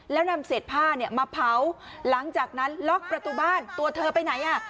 แล้วนำเศษผ้าเนี่ยมาเผาหลังจากนั้นล็อกประตูบ้านตัวเธอไปไหนอ่ะ